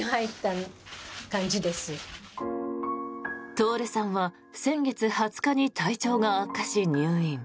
徹さんは先月２０日に体調が悪化し入院。